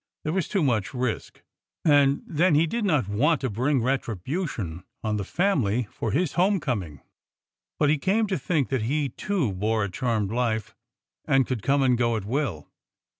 There was too much risk ; and, then, he did not want to bring retribution on the family for his home coming. But he came to think that he, too, bore a charmed life, and could come and go at will.